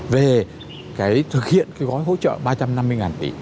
về cái thực hiện cái gói hỗ trợ ba trăm năm mươi tỷ